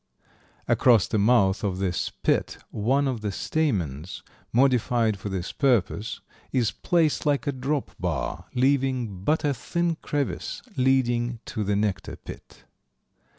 Across the mouth of this pit one of the stamens, modified for this purpose, is placed like a drop bar, leaving but a thin crevice leading to the nectar pit.